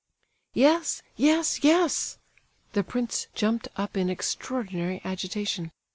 "Yes—yes—yes—" The prince jumped up in extraordinary agitation.